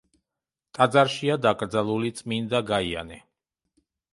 ტაძარშია დაკრძალული წმინდა გაიანე.